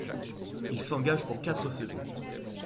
Il s'engage pour quatre saisons.